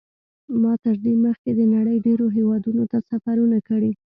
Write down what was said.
ما تر دې مخکې د نړۍ ډېرو هېوادونو ته سفرونه کړي.